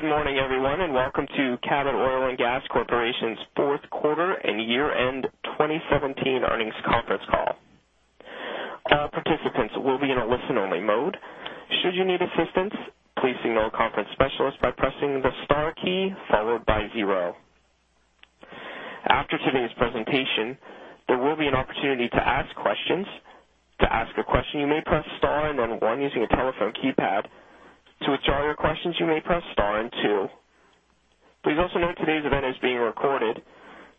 Good morning, everyone, and welcome to Cabot Oil & Gas Corporation's fourth quarter and year-end 2017 earnings conference call. All participants will be in a listen-only mode. Should you need assistance, please signal a conference specialist by pressing the star key followed by zero. After today's presentation, there will be an opportunity to ask questions. To ask a question, you may press star and then one using your telephone keypad. To withdraw your questions, you may press star and two. Please also note today's event is being recorded.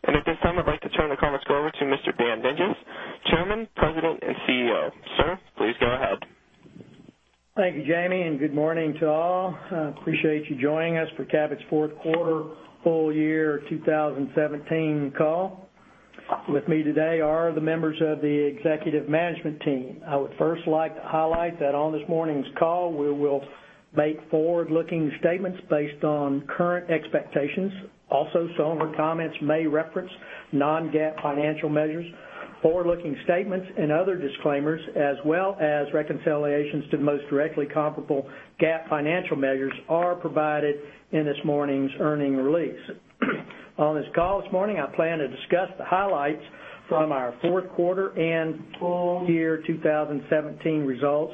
At this time, I'd like to turn the conference call over to Mr. Dan Dinges, Chairman, President, and CEO. Sir, please go ahead. Thank you, Jamie, and good morning to all. I appreciate you joining us for Cabot's fourth quarter full year 2017 call. With me today are the members of the executive management team. I would first like to highlight that on this morning's call, we will make forward-looking statements based on current expectations. Also, some of the comments may reference non-GAAP financial measures. Forward-looking statements and other disclaimers as well as reconciliations to the most directly comparable GAAP financial measures are provided in this morning's earnings release. On this call this morning, I plan to discuss the highlights from our fourth quarter and full year 2017 results,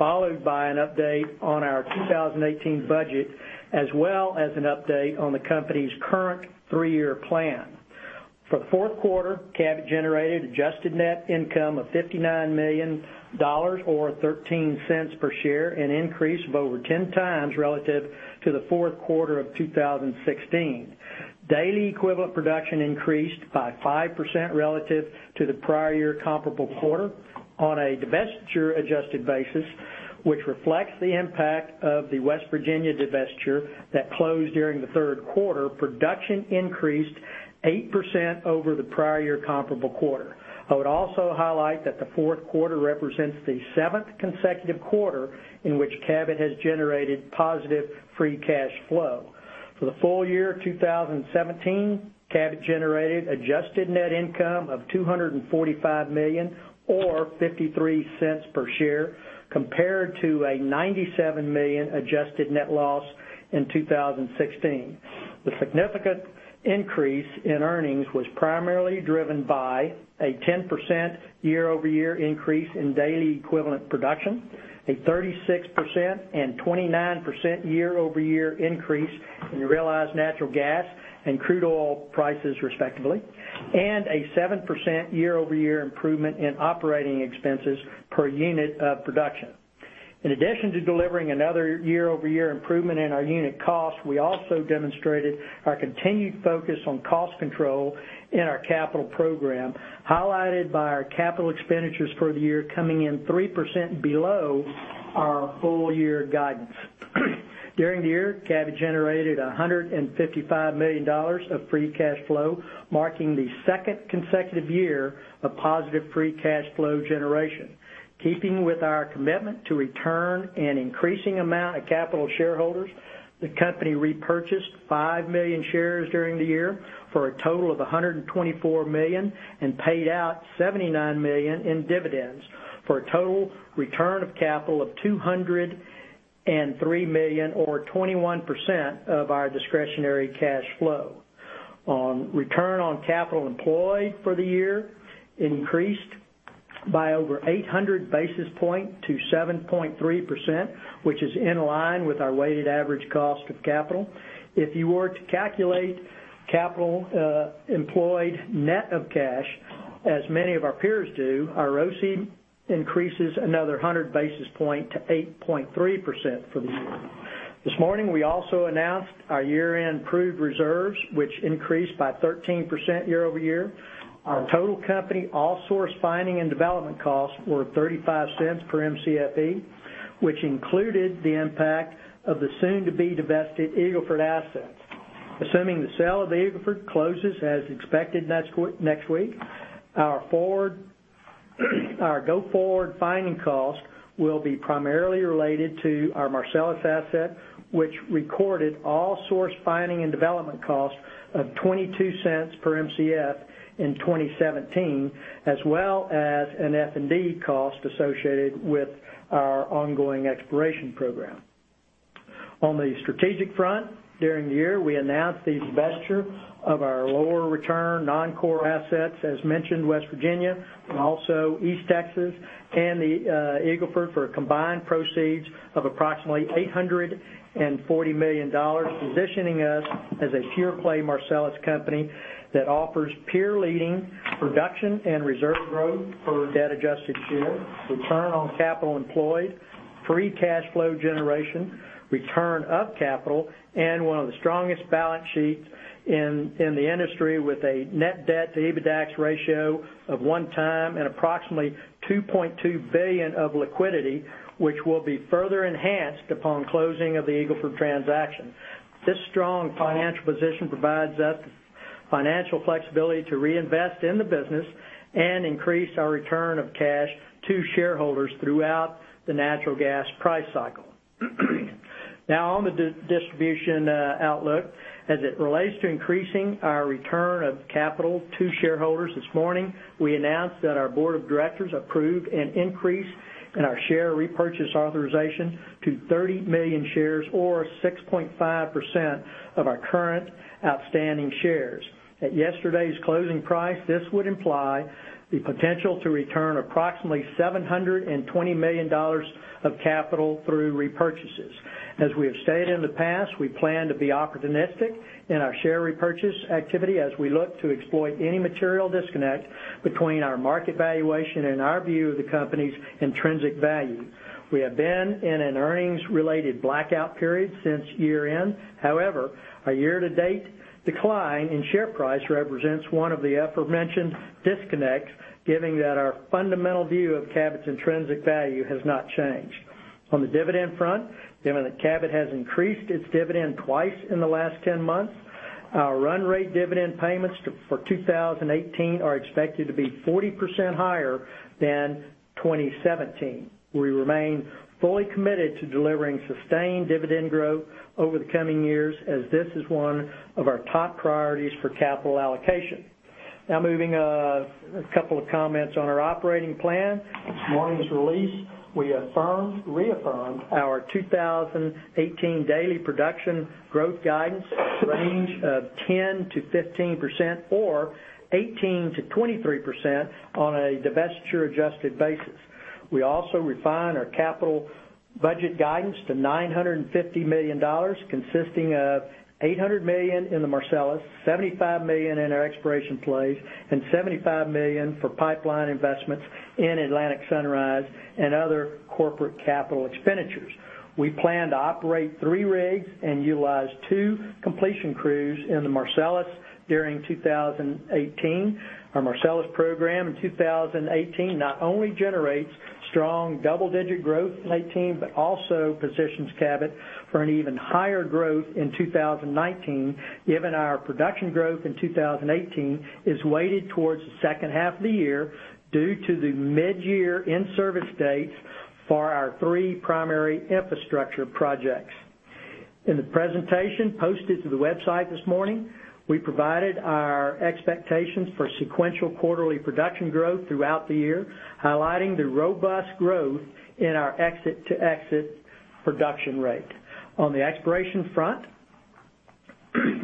followed by an update on our 2018 budget, as well as an update on the company's current three-year plan. For the fourth quarter, Cabot generated adjusted net income of $59 million, or $0.13 per share, an increase of over 10 times relative to the fourth quarter of 2016. Daily equivalent production increased by 5% relative to the prior year comparable quarter. On a divestiture adjusted basis, which reflects the impact of the West Virginia divestiture that closed during the third quarter, production increased 8% over the prior year comparable quarter. I would also highlight that the fourth quarter represents the seventh consecutive quarter in which Cabot has generated positive free cash flow. For the full year 2017, Cabot generated adjusted net income of $245 million or $0.53 per share, compared to a $97 million adjusted net loss in 2016. The significant increase in earnings was primarily driven by a 10% year-over-year increase in daily equivalent production, a 36% and 29% year-over-year increase in realized natural gas and crude oil prices, respectively, and a 7% year-over-year improvement in operating expenses per unit of production. In addition to delivering another year-over-year improvement in our unit cost, we also demonstrated our continued focus on cost control in our capital program, highlighted by our capital expenditures for the year coming in 3% below our full-year guidance. During the year, Cabot generated $155 million of free cash flow, marking the second consecutive year of positive free cash flow generation. Keeping with our commitment to return an increasing amount of capital to shareholders, the company repurchased 5 million shares during the year for a total of $124 million and paid out $79 million in dividends, for a total return of capital of $203 million or 21% of our discretionary cash flow. Our return on capital employed for the year increased by over 800 basis points to 7.3%, which is in line with our weighted average cost of capital. If you were to calculate capital employed net of cash, as many of our peers do, our ROC increases another 100 basis points to 8.3% for the year. This morning, we also announced our year-end proved reserves, which increased by 13% year-over-year. Our total company all-source finding and development costs were $0.35 per Mcfe, which included the impact of the soon-to-be-divested Eagle Ford assets. Assuming the sale of Eagle Ford closes as expected next week, our go-forward finding cost will be primarily related to our Marcellus asset, which recorded all-source finding and development costs of $0.22 per Mcfe in 2017, as well as an F&D cost associated with our ongoing exploration program. On the strategic front, during the year, we announced the divestiture of our lower return non-core assets, as mentioned, West Virginia and also East Texas and the Eagle Ford for a combined proceeds of approximately $840 million, positioning us as a pure-play Marcellus company that offers peer-leading production and reserve growth per debt adjusted share, return on capital employed, free cash flow generation, return of capital, and one of the strongest balance sheets in the industry with a net debt-to-EBITDAX ratio of one time and approximately $2.2 billion of liquidity, which will be further enhanced upon closing of the Eagle Ford transaction. This strong financial position provides us financial flexibility to reinvest in the business and increase our return of cash to shareholders throughout the natural gas price cycle. Now on the distribution outlook. As it relates to increasing our return of capital to shareholders this morning, we announced that our board of directors approved an increase in our share repurchase authorization to 30 million shares, or 6.5% of our current outstanding shares. At yesterday's closing price, this would imply the potential to return approximately $720 million of capital through repurchases. As we have stated in the past, we plan to be opportunistic in our share repurchase activity as we look to exploit any material disconnect between our market valuation and our view of the company's intrinsic value. We have been in an earnings-related blackout period since year-end. However, our year-to-date decline in share price represents one of the aforementioned disconnects, given that our fundamental view of Cabot's intrinsic value has not changed. On the dividend front, given that Cabot has increased its dividend twice in the last 10 months, our run rate dividend payments for 2018 are expected to be 40% higher than 2017. We remain fully committed to delivering sustained dividend growth over the coming years, as this is one of our top priorities for capital allocation. Moving on, a couple of comments on our operating plan. This morning's release, we reaffirmed our 2018 daily production growth guidance range of 10%-15%, or 18%-23% on a divestiture adjusted basis. We also refined our capital budget guidance to $950 million, consisting of $800 million in the Marcellus, $75 million in our exploration plays, and $75 million for pipeline investments in Atlantic Sunrise and other corporate capital expenditures. We plan to operate three rigs and utilize two completion crews in the Marcellus during 2018. Our Marcellus program in 2018 not only generates strong double-digit growth in 2018, but also positions Cabot for an even higher growth in 2019, given our production growth in 2018 is weighted towards the second half of the year due to the mid-year in-service dates for our three primary infrastructure projects. In the presentation posted to the website this morning, we provided our expectations for sequential quarterly production growth throughout the year, highlighting the robust growth in our exit-to-exit production rate. On the exploration front,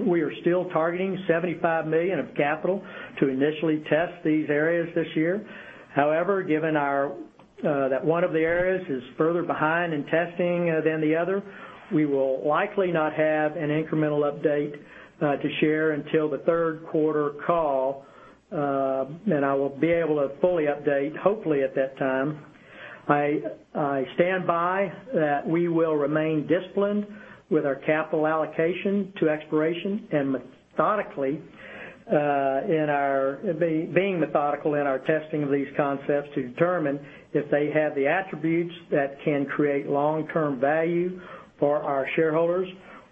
we are still targeting $75 million of capital to initially test these areas this year. However, given that one of the areas is further behind in testing than the other, we will likely not have an incremental update to share until the third quarter call. I will be able to fully update, hopefully at that time. I stand by that we will remain disciplined with our capital allocation to exploration and being methodical in our testing of these concepts to determine if they have the attributes that can create long-term value for our shareholders,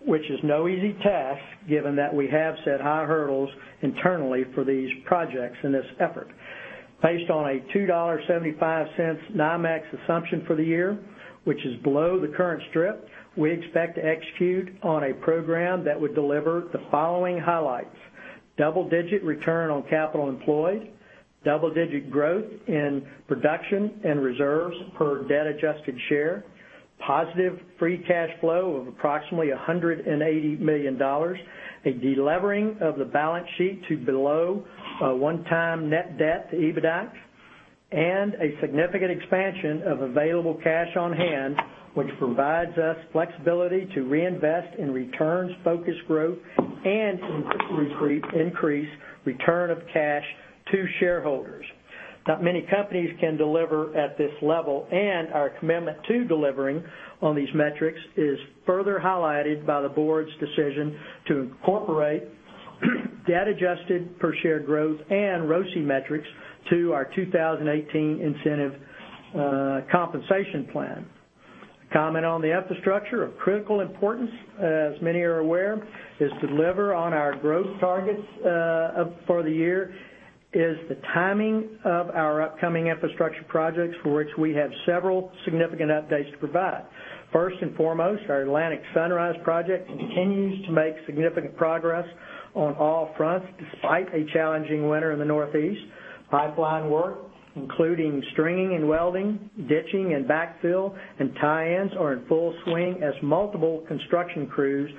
which is no easy task given that we have set high hurdles internally for these projects in this effort. Based on a $2.75 NYMEX assumption for the year, which is below the current strip, we expect to execute on a program that would deliver the following highlights: double-digit return on capital employed, double-digit growth in production and reserves per debt adjusted share, positive free cash flow of approximately $180 million, a de-levering of the balance sheet to below a one-time net debt to EBITDA, and a significant expansion of available cash on hand, which provides us flexibility to reinvest in returns-focused growth and increase return of cash to shareholders. Not many companies can deliver at this level. Our commitment to delivering on these metrics is further highlighted by the board's decision to incorporate debt-adjusted per share growth and ROCE metrics to our 2018 incentive compensation plan. A comment on the infrastructure of critical importance, as many are aware, is to deliver on our growth targets for the year is the timing of our upcoming infrastructure projects, for which we have several significant updates to provide. First and foremost, our Atlantic Sunrise project continues to make significant progress on all fronts despite a challenging winter in the Northeast. Pipeline work, including stringing and welding, ditching and backfill, and tie-ins, are in full swing as multiple construction crews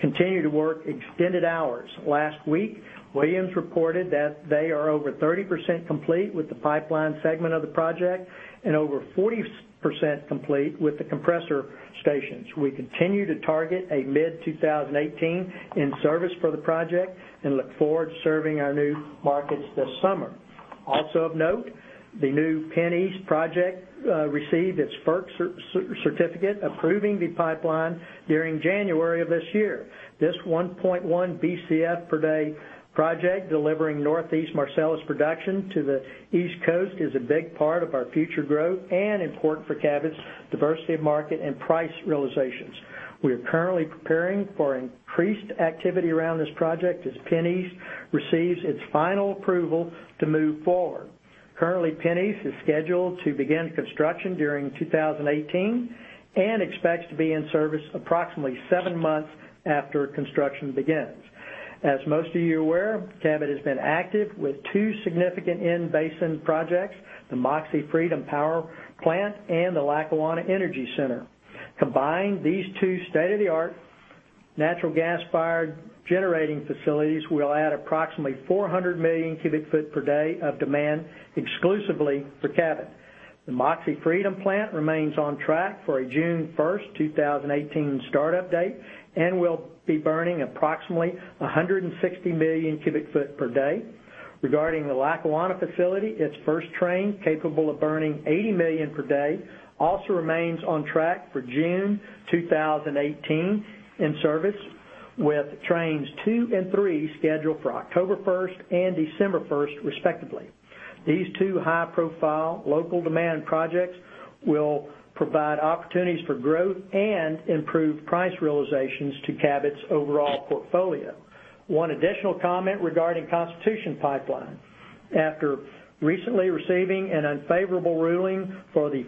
continue to work extended hours. Last week, Williams reported that they are over 30% complete with the pipeline segment of the project and over 40% complete with the compressor stations. We continue to target a mid-2018 in service for the project and look forward to serving our new markets this summer. Also of note, the new PennEast project received its FERC certificate approving the pipeline during January of this year. This 1.1 Bcf per day project delivering Northeast Marcellus production to the East Coast is a big part of our future growth and important for Cabot's diversity of market and price realizations. We are currently preparing for increased activity around this project as PennEast receives its final approval to move forward. Currently, PennEast is scheduled to begin construction during 2018 and expects to be in service approximately seven months after construction begins. As most of you are aware, Cabot has been active with two significant in-basin projects, the Moxie Freedom Power Plant and the Lackawanna Energy Center. Combined, these two state-of-the-art natural gas-fired generating facilities will add approximately 400 million cubic foot per day of demand exclusively for Cabot. The Moxie Freedom plant remains on track for a June 1st, 2018 startup date and will be burning approximately 160 million cubic foot per day. Regarding the Lackawanna facility, its first train, capable of burning 80 million per day, also remains on track for June 2018 in service, with trains two and three scheduled for October 1st and December 1st, respectively. These two high-profile local demand projects will provide opportunities for growth and improve price realizations to Cabot's overall portfolio. One additional comment regarding Constitution Pipeline. After recently receiving an unfavorable ruling from the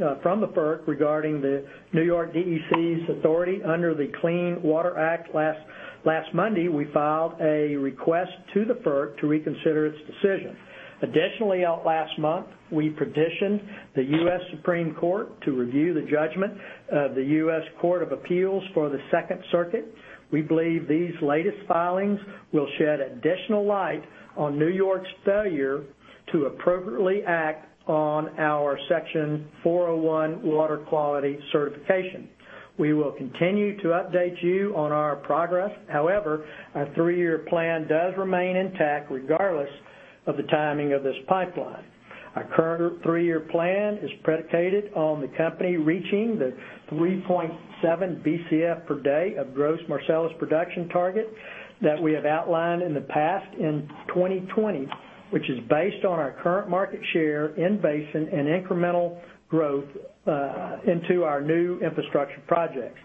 FERC regarding the New York DEC's authority under the Clean Water Act last Monday, we filed a request to the FERC to reconsider its decision. Last month, we petitioned the U.S. Supreme Court to review the judgment of the U.S. Court of Appeals for the Second Circuit. We believe these latest filings will shed additional light on New York's failure to appropriately act on our Section 401 water quality certification. We will continue to update you on our progress. Our three-year plan does remain intact regardless of the timing of this pipeline. Our current three-year plan is predicated on the company reaching the 3.7 Bcf per day of gross Marcellus production target that we have outlined in the past in 2020, which is based on our current market share in basin and incremental growth into our new infrastructure projects.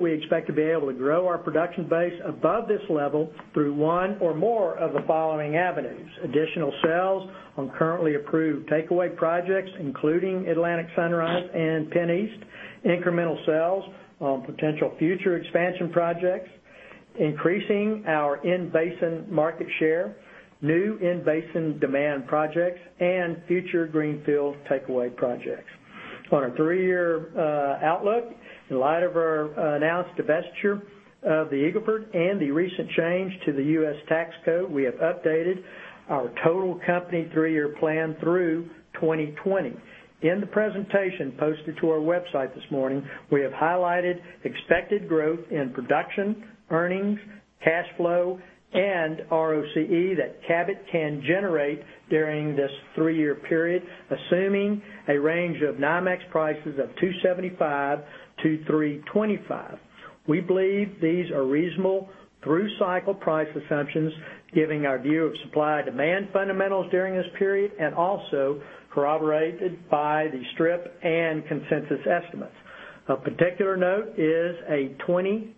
We expect to be able to grow our production base above this level through one or more of the following avenues: additional sales on currently approved takeaway projects, including Atlantic Sunrise and PennEast, incremental sales on potential future expansion projects, increasing our in-basin market share, new in-basin demand projects, and future greenfield takeaway projects. On our three-year outlook, in light of our announced divestiture of the Eagle Ford and the recent change to the U.S. tax code, we have updated our total company three-year plan through 2020. In the presentation posted to our website this morning, we have highlighted expected growth in production, earnings, cash flow, and ROCE that Cabot can generate during this three-year period, assuming a range of NYMEX prices of $2.75-$3.25. We believe these are reasonable through-cycle price assumptions giving our view of supply-demand fundamentals during this period, and also corroborated by the strip and consensus estimates. Of particular note is a 20%-24%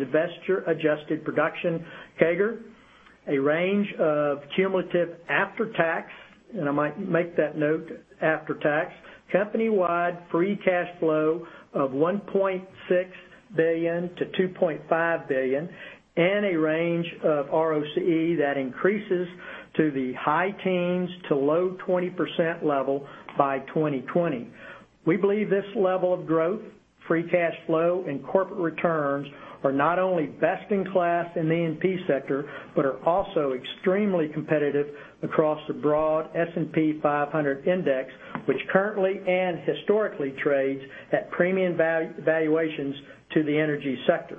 divestiture-adjusted production CAGR, a range of cumulative after-tax, and I might make that note, after-tax, company-wide free cash flow of $1.6 billion-$2.5 billion, and a range of ROCE that increases to the high teens to low 20% level by 2020. We believe this level of growth, free cash flow, and corporate returns are not only best in class in the E&P sector, but are also extremely competitive across the broad S&P 500 index, which currently and historically trades at premium valuations to the energy sector.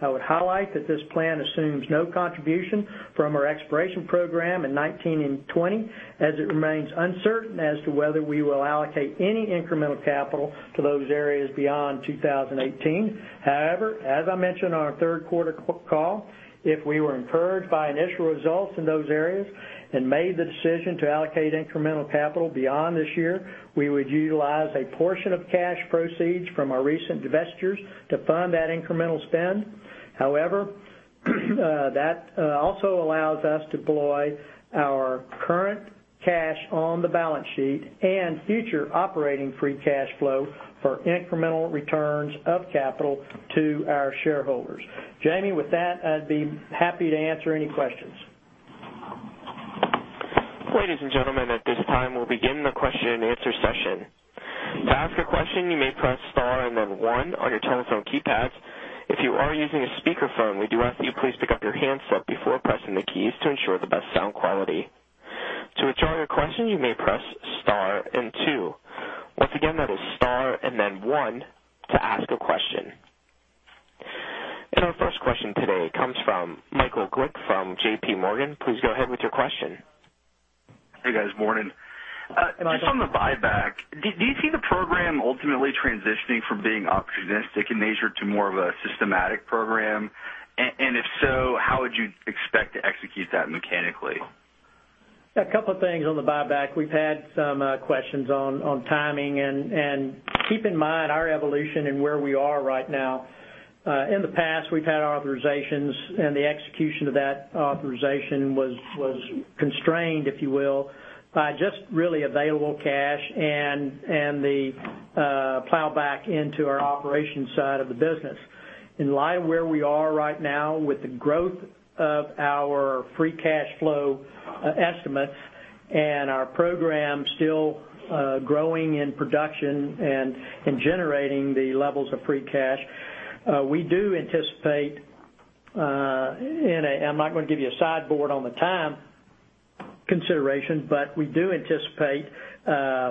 I would highlight that this plan assumes no contribution from our exploration program in 2019 and 2020, as it remains uncertain as to whether we will allocate any incremental capital to those areas beyond 2018. However, as I mentioned on our third quarter call, if we were encouraged by initial results in those areas and made the decision to allocate incremental capital beyond this year, we would utilize a portion of cash proceeds from our recent divestitures to fund that incremental spend. However, that also allows us to deploy our current cash on the balance sheet and future operating free cash flow for incremental returns of capital to our shareholders. Jamie, with that, I'd be happy to answer any questions. Ladies and gentlemen, at this time, we'll begin the question and answer session. To ask a question, you may press star and then one on your telephone keypad. If you are using a speakerphone, we do ask that you please pick up your handset before pressing the keys to ensure the best sound quality. To withdraw your question, you may press star and two. Once again, that is star and then one to ask a question. And our first question today comes from Michael Glick from JPMorgan. Please go ahead with your question. Hey, guys. Morning. Hi, Michael. Just on the buyback, do you see the program ultimately transitioning from being opportunistic in nature to more of a systematic program? If so, how would you expect to execute that mechanically? A couple of things on the buyback. We've had some questions on timing and keep in mind our evolution and where we are right now. In the past, we've had authorizations, and the execution of that authorization was constrained, if you will, by just really available cash and the plowback into our operations side of the business. In line with where we are right now with the growth of our free cash flow estimates and our program still growing in production and generating the levels of free cash, we do anticipate, and I'm not going to give you a sideboard on the time consideration, but we do anticipate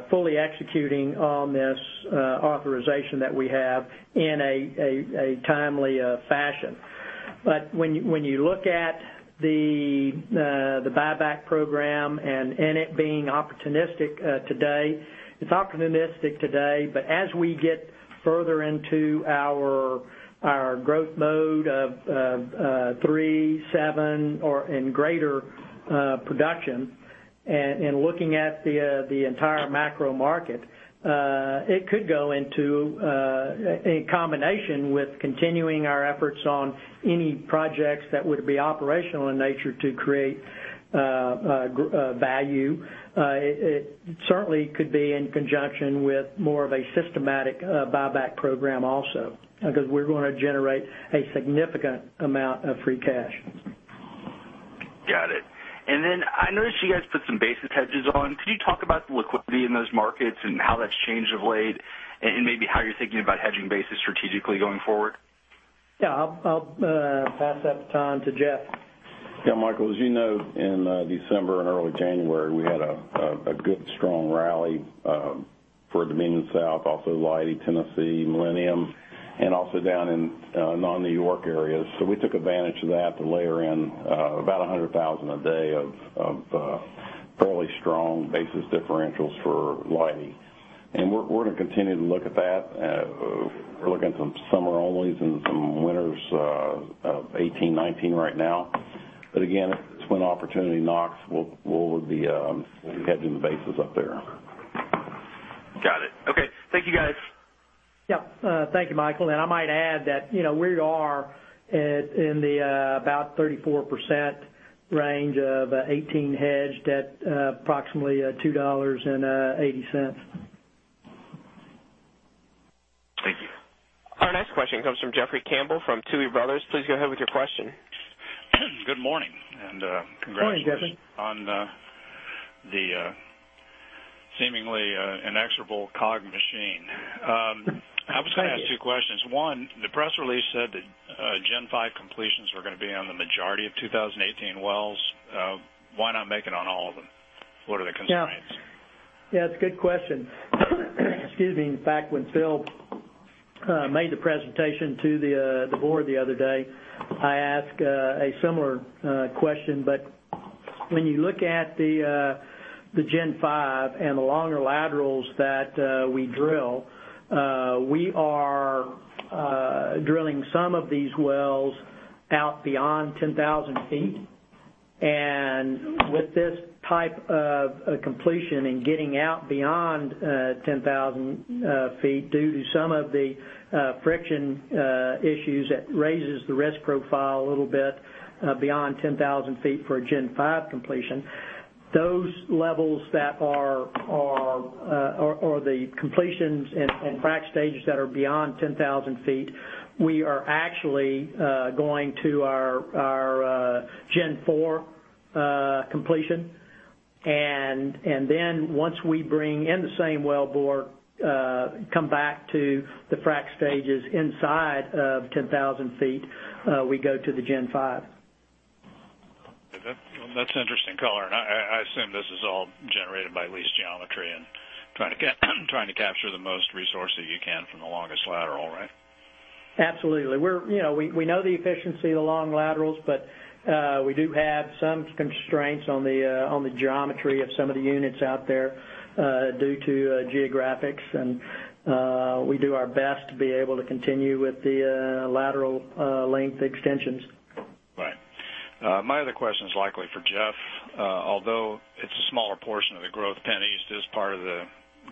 fully executing on this authorization that we have in a timely fashion. When you look at the buyback program and it being opportunistic today, it's opportunistic today, but as we get further into our growth mode of three, seven, or in greater production and looking at the entire macro market, it could go into a combination with continuing our efforts on any projects that would be operational in nature to create value. It certainly could be in conjunction with more of a systematic buyback program also, because we're going to generate a significant amount of free cash. Got it. I noticed you guys put some basis hedges on. Could you talk about the liquidity in those markets and how that's changed of late, and maybe how you're thinking about hedging basis strategically going forward? Yeah. I'll pass that baton to Jeff. Yeah, Michael, as you know, in December and early January, we had a good, strong rally for Dominion South, also Leidy, Tennessee, Millennium, and also down in non-New York areas. We took advantage of that to layer in about 100,000 a day of fairly strong basis differentials for Leidy. We're going to continue to look at that. We're looking at some summer onlys and some winters of 2018, 2019 right now. Again, when opportunity knocks, we'll be hedging the bases up there. Got it. Okay. Thank you, guys. Yep. Thank you, Michael. I might add that we are in about the 34% range of 2018 hedged at approximately $2.80. Thank you. Our next question comes from Jeffrey Campbell from Tuohy Brothers. Please go ahead with your question. Good morning. Morning, Jeffrey Congrats on the seemingly inexorable COG machine. I was going to ask two questions. One, the press release said that Gen 5 completions were going to be on the majority of 2018 wells. Why not make it on all of them? What are the constraints? Yeah, it's a good question. Excuse me. In fact, when Phil made the presentation to the board the other day, I asked a similar question. When you look at the Gen 5 and the longer laterals that we drill, we are drilling some of these wells out beyond 10,000 feet. With this type of completion and getting out beyond 10,000 feet, due to some of the friction issues, that raises the risk profile a little bit beyond 10,000 feet for a Gen 5 completion. Those levels that are the completions and frack stages that are beyond 10,000 feet, we are actually going to our Gen 4 completion. Once we bring in the same wellbore, come back to the frack stages inside of 10,000 feet, we go to the Gen 5. Okay. That's an interesting color, I assume this is all generated by lease geometry and trying to capture the most resources you can from the longest lateral, right? Absolutely. We know the efficiency of the long laterals, but we do have some constraints on the geometry of some of the units out there due to geographics. We do our best to be able to continue with the lateral length extensions. Right. My other question is likely for Jeff. Although it's a smaller portion of the growth, PennEast is part of the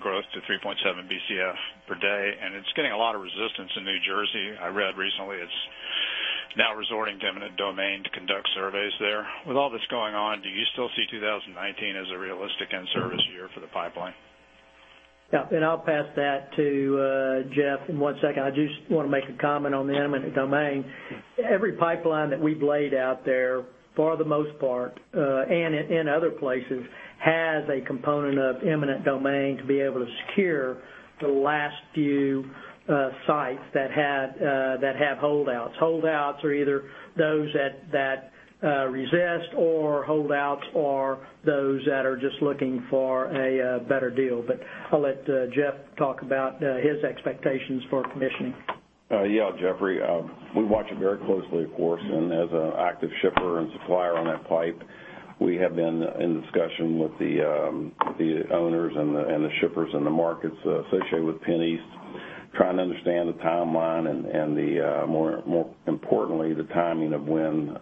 growth to 3.7 Bcf per day, and it's getting a lot of resistance in New Jersey. I read recently it's now resorting to eminent domain to conduct surveys there. With all this going on, do you still see 2019 as a realistic in-service year for the pipeline? Yeah. I'll pass that to Jeff in one second. I just want to make a comment on the eminent domain. Every pipeline that we've laid out there, for the most part, and in other places, has a component of eminent domain to be able to secure the last few sites that have holdouts. Holdouts are either those that resist or holdouts are those that are just looking for a better deal. I'll let Jeff talk about his expectations for commissioning. Yeah, Jeffrey, we watch it very closely, of course. As an active shipper and supplier on that pipe, we have been in discussion with the owners and the shippers in the markets associated with PennEast, trying to understand the timeline and more importantly, the timing of when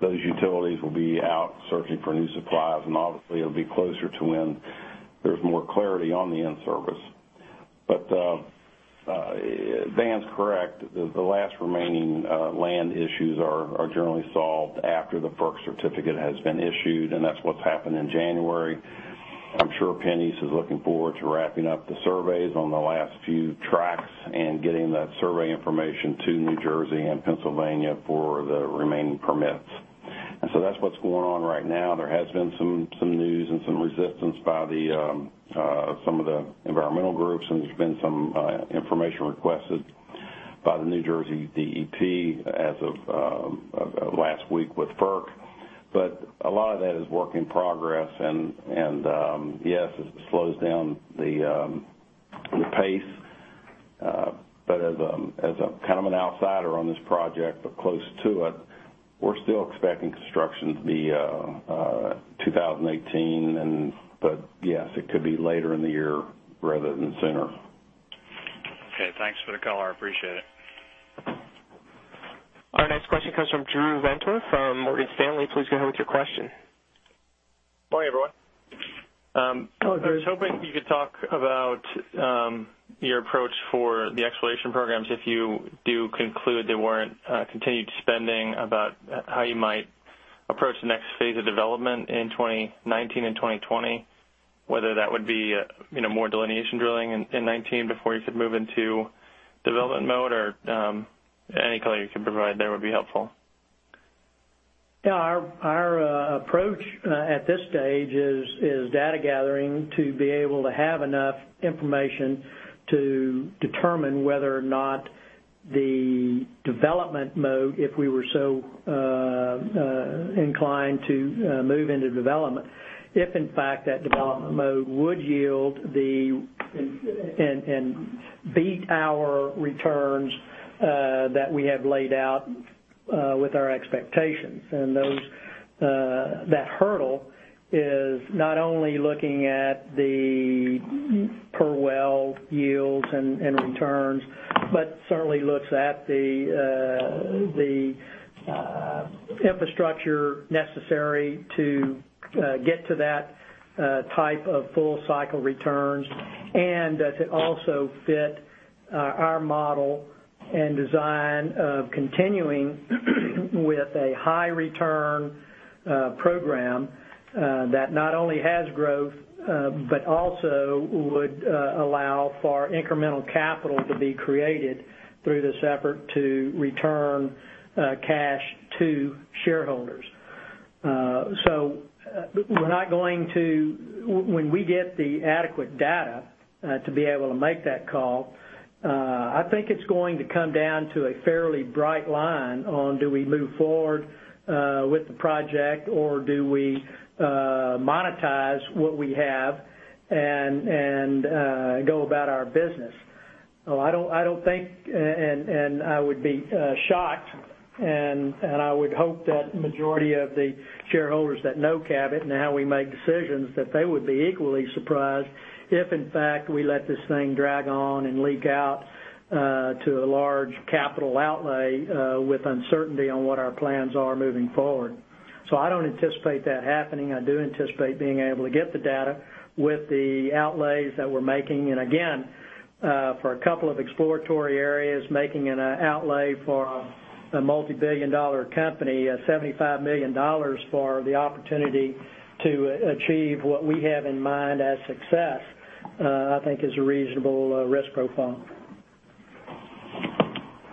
those utilities will be out searching for new supplies, and obviously it'll be closer to when there's more clarity on the in-service. Dan's correct, the last remaining land issues are generally solved after the FERC certificate has been issued, and that's what's happened in January. I'm sure PennEast is looking forward to wrapping up the surveys on the last few tracks and getting that survey information to New Jersey and Pennsylvania for the remaining permits. That's what's going on right now. There has been some news and some resistance by some of the environmental groups, there's been some information requested by the New Jersey DEP as of last week with FERC. A lot of that is work in progress, yes, it slows down the pace. As kind of an outsider on this project, but close to it, we're still expecting construction to be 2018. Yes, it could be later in the year rather than sooner. Okay, thanks for the color. I appreciate it. Our next question comes from Drew Venker from Morgan Stanley. Please go ahead with your question. Morning, everyone. Hello, Drew. I was hoping you could talk about your approach for the exploration programs if you do conclude there weren't continued spending, about how you might approach the next phase of development in 2019 and 2020, whether that would be more delineation drilling in 2019 before you could move into development mode or any color you could provide there would be helpful. Yeah. Our approach at this stage is data gathering to be able to have enough information to determine whether or not the development mode, if we were so inclined to move into development, if in fact that development mode would yield and beat our returns that we have laid out with our expectations. That hurdle is not only looking at the per well yields and returns, but certainly looks at the infrastructure necessary to get to that type of full cycle returns, and to also fit our model and design of continuing with a high return program that not only has growth, but also would allow for incremental capital to be created through this effort to return cash to shareholders. When we get the adequate data to be able to make that call, I think it's going to come down to a fairly bright line on do we move forward with the project or do we monetize what we have and go about our business? I don't think, and I would be shocked, and I would hope that majority of the shareholders that know Cabot and how we make decisions, that they would be equally surprised if in fact we let this thing drag on and leak out to a large capital outlay with uncertainty on what our plans are moving forward. I don't anticipate that happening. I do anticipate being able to get the data with the outlays that we're making, and again, for a couple of exploratory areas, making an outlay for a multi-billion dollar company, $75 million for the opportunity to achieve what we have in mind as success, I think is a reasonable risk profile.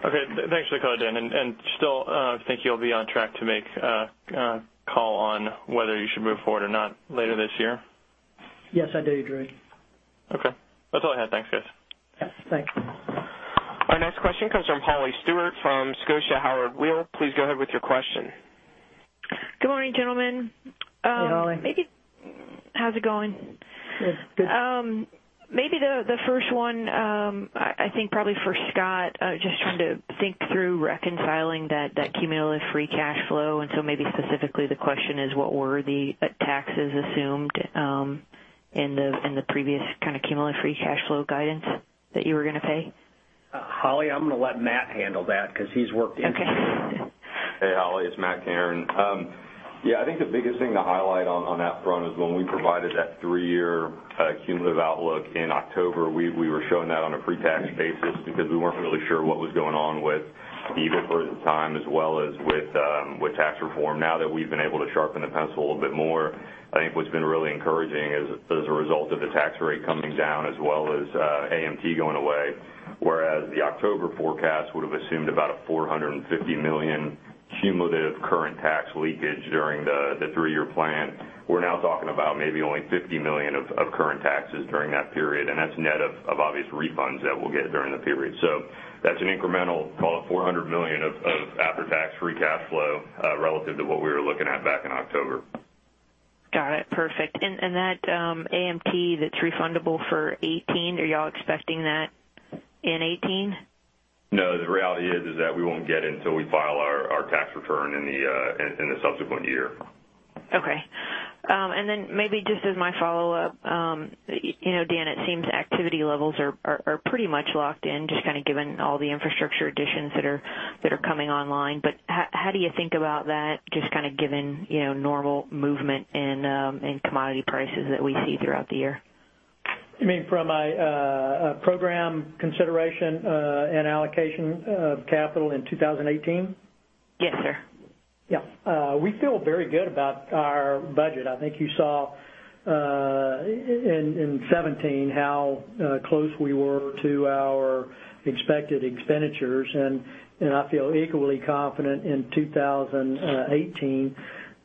Okay. Thanks for the color, Dan. Still think you'll be on track to make a call on whether you should move forward or not later this year? Yes, I do, Drew. Okay. That's all I had. Thanks, guys. Yeah. Thank you. Our next question comes from Holly Stewart from Scotia Howard Weil. Please go ahead with your question. Good morning, gentlemen. Hey, Holly. How's it going? Good. Maybe the first one, I think probably for Scott, just trying to think through reconciling that cumulative free cash flow. Maybe specifically the question is what were the taxes assumed in the previous kind of cumulative free cash flow guidance that you were going to pay? Holly, I'm going to let Matt handle that because he's worked intimately with it. Okay. Hey, Holly, it's Matt Kerin. Yeah, I think the biggest thing to highlight on that front is when we provided that three-year cumulative outlook in October, we were showing that on a pre-tax basis because we weren't really sure what was going on with EBIT for the time, as well as with tax reform. Now that we've been able to sharpen the pencil a bit more, I think what's been really encouraging as a result of the tax rate coming down as well as AMT going away, whereas the October forecast would've assumed about a $450 million cumulative current tax leakage during the three-year plan. We're now talking about maybe only $50 million of current taxes during that period, and that's net of obvious refunds that we'll get during the period. That's an incremental call it $400 million of after-tax free cash flow, relative to what we were looking at back in October. Got it. Perfect. That AMT that's refundable for 2018, are you all expecting that in 2018? No, the reality is that we won't get it until we file our tax return in the subsequent year. Okay. Then maybe just as my follow-up, Dan, it seems activity levels are pretty much locked in, just kind of given all the infrastructure additions that are coming online. How do you think about that, just kind of given normal movement in commodity prices that we see throughout the year? You mean from a program consideration, and allocation of capital in 2018? Yes, sir. Yeah. We feel very good about our budget. I think you saw in 2017 how close we were to our expected expenditures, I feel equally confident in 2018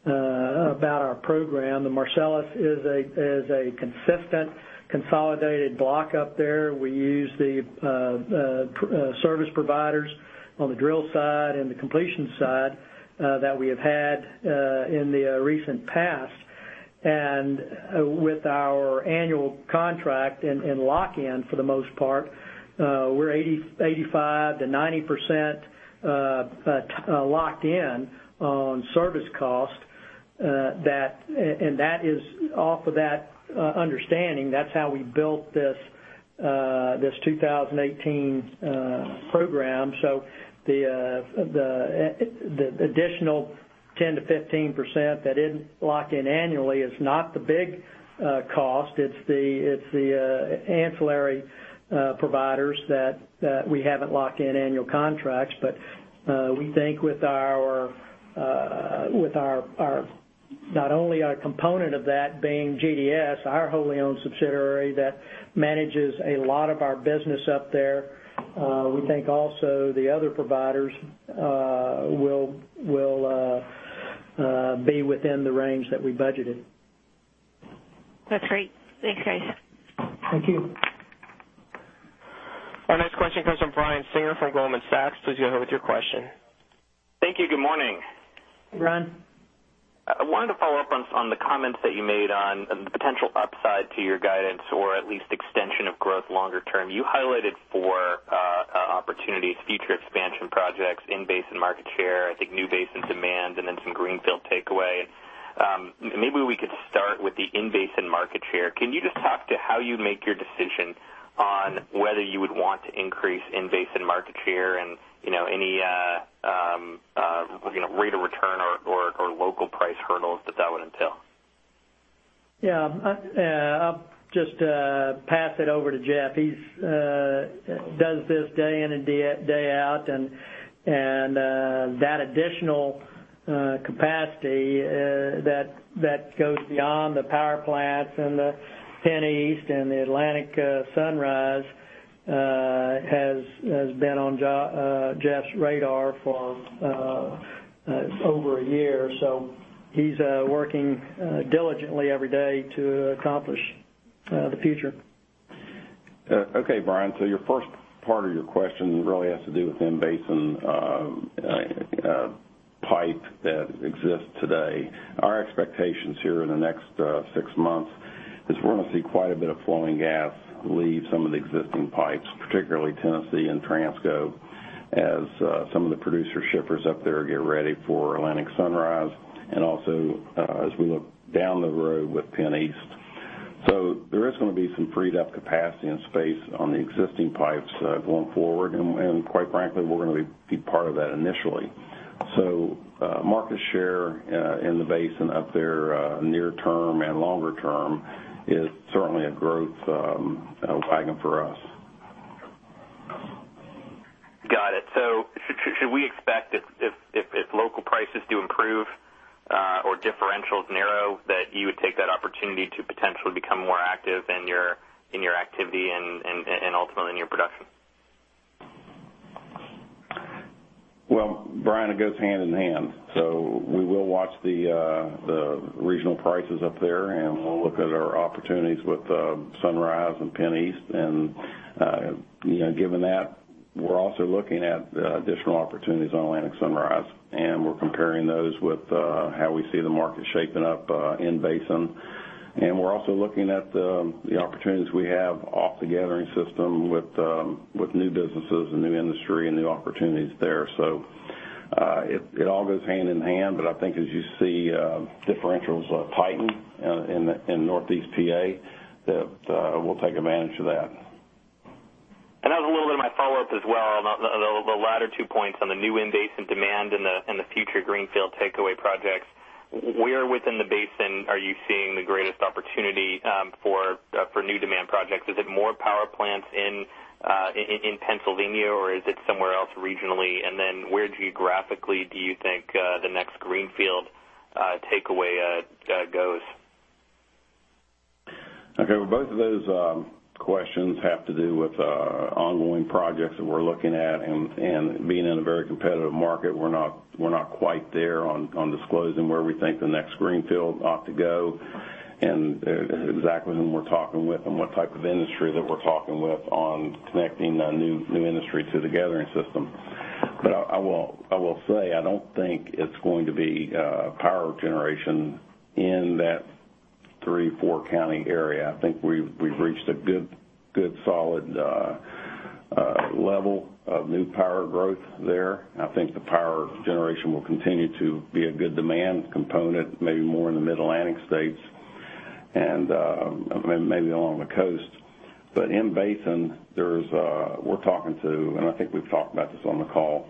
about our program. The Marcellus is a consistent, consolidated block up there. We use the service providers on the drill side and the completion side that we have had in the recent past. With our annual contract and lock-in for the most part, we're 85%-90% locked in on service cost. That is off of that understanding. That's how we built this 2018 program. The additional 10%-15% that isn't locked in annually is not the big cost. It's the ancillary providers that we haven't locked in annual contracts. We think with not only our component of that being GDS, our wholly owned subsidiary, that manages a lot of our business up there. We think also the other providers will be within the range that we budgeted. That's great. Thanks, guys. Thank you. Our next question comes from Brian Singer from Goldman Sachs. Please go ahead with your question. Thank you. Good morning. Hey, Brian. I wanted to follow up on the comments that you made on the potential upside to your guidance or at least extension of growth longer term. You highlighted 4 opportunities: future expansion projects, in-basin market share, I think new basin demand, and then some greenfield takeaway. Maybe we could start with the in-basin market share. Can you just talk to how you make your decision on whether you would want to increase in-basin market share and any rate of return or local price hurdles that that would entail? Yeah. I'll just pass it over to Jeff. He does this day in and day out. That additional capacity that goes beyond the power plants and the PennEast and the Atlantic Sunrise has been on Jeff's radar for over a year. He's working diligently every day to accomplish the future. Okay, Brian, your first part of your question really has to do with in-basin pipe that exists today. Our expectations here in the next 6 months is we're going to see quite a bit of flowing gas leave some of the existing pipes, particularly Tennessee and Transco, as some of the producer shippers up there get ready for Atlantic Sunrise, and also as we look down the road with PennEast. There is going to be some freed up capacity and space on the existing pipes going forward, and quite frankly, we're going to be part of that initially. Market share in the basin up there near term and longer term is certainly a growth wagon for us. Got it. Should we expect if local prices do improve or differentials narrow, that you would take that opportunity to potentially become more active in your activity and ultimately in your production? Well, Brian, it goes hand in hand. We will watch the regional prices up there, and we'll look at our opportunities with Sunrise and PennEast. Given that, we're also looking at additional opportunities on Atlantic Sunrise, and we're comparing those with how we see the market shaping up in-basin. We're also looking at the opportunities we have off the gathering system with new businesses and new industry and new opportunities there. It all goes hand in hand, but I think as you see differentials tighten in Northeast P.A., that we'll take advantage of that. That was a little bit of my follow-up as well, the latter two points on the new in-basin demand and the future greenfield takeaway projects. Where within the basin are you seeing the greatest opportunity for new demand projects? Is it more power plants in Pennsylvania, or is it somewhere else regionally? Then where geographically do you think the next greenfield takeaway goes? Okay, well, both of those questions have to do with ongoing projects that we're looking at. Being in a very competitive market, we're not quite there on disclosing where we think the next greenfield ought to go and exactly whom we're talking with and what type of industry that we're talking with on connecting a new industry to the gathering system. I will say, I don't think it's going to be power generation in that three, four county area. I think we've reached a good solid level of new power growth there. I think the power generation will continue to be a good demand component, maybe more in the Mid-Atlantic states and maybe along the coast. In basin, we're talking to, and I think we've talked about this on the call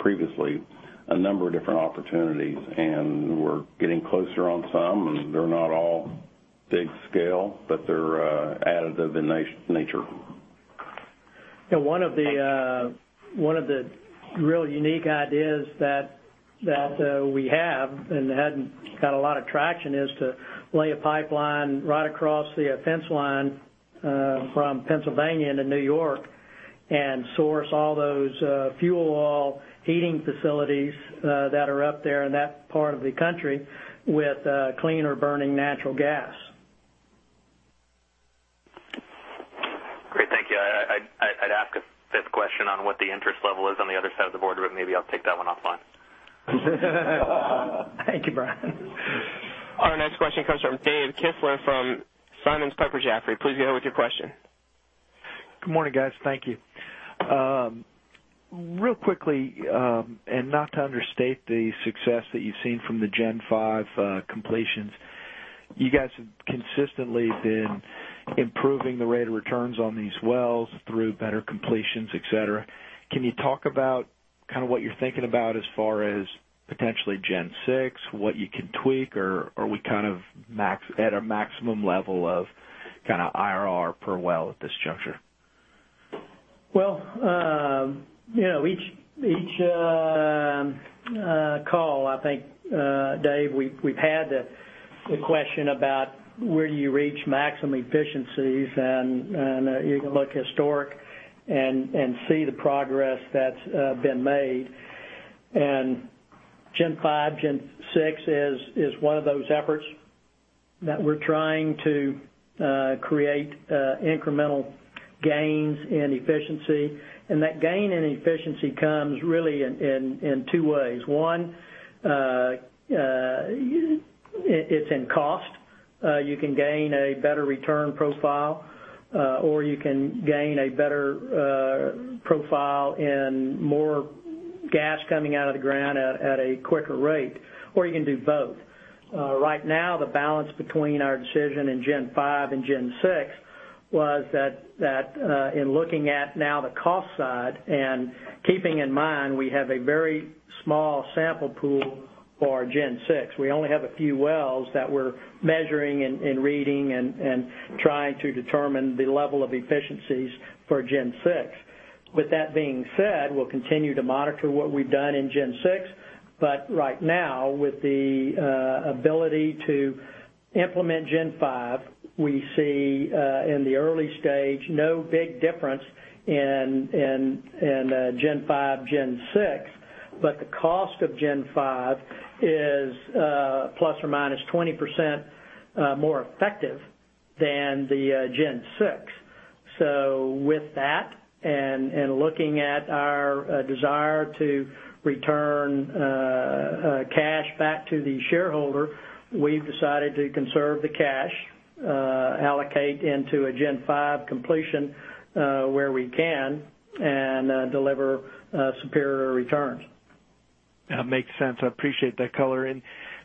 previously, a number of different opportunities, and we're getting closer on some, and they're not all big scale, but they're additive in nature. One of the really unique ideas that we have and hadn't got a lot of traction is to lay a pipeline right across the fence line from Pennsylvania into New York and source all those fuel oil heating facilities that are up there in that part of the country with cleaner burning natural gas. Great. Thank you. I'd ask a fifth question on what the interest level is on the other side of the board, maybe I'll take that one offline. Thank you, Brian. Our next question comes from Dave Kistler from Simmons & Company International, Energy Specialists of Piper Jaffray. Please go ahead with your question. Good morning, guys. Thank you. Real quickly, not to understate the success that you've seen from the Gen 5 completions, you guys have consistently been improving the rate of returns on these wells through better completions, et cetera. Can you talk about what you're thinking about as far as potentially Gen 6, what you can tweak, or are we at a maximum level of IRR per well at this juncture? Well, each call, I think, Dave, we've had the question about where you reach maximum efficiencies. You can look historic and see the progress that's been made. Gen 5, Gen 6 is one of those efforts that we're trying to create incremental gains in efficiency. That gain in efficiency comes really in two ways. One, it's in cost. You can gain a better return profile, or you can gain a better profile in more gas coming out of the ground at a quicker rate, or you can do both. Right now, the balance between our decision in Gen 5 and Gen 6 was that in looking at now the cost side and keeping in mind we have a very small sample pool for Gen 6. We only have a few wells that we're measuring and reading and trying to determine the level of efficiencies for Gen 6. With that being said, we'll continue to monitor what we've done in Gen 6. Right now, with the ability to implement Gen 5, we see in the early stage, no big difference in Gen 5, Gen 6, but the cost of Gen 5 is ±20% more effective than the Gen 6. With that, and looking at our desire to return cash back to the shareholder, we've decided to conserve the cash, allocate into a Gen 5 completion where we can, and deliver superior returns. That makes sense. I appreciate that coloring.